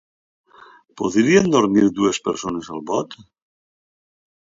Podien dormir dues persones al bot?